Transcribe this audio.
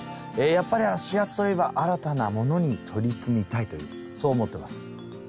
やっぱり４月といえば新たなものに取り組みたいというそう思ってます。